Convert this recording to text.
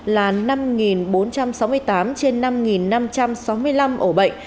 là năm bốn trăm sáu mươi tám trên năm năm trăm sáu mươi năm ổ bệnh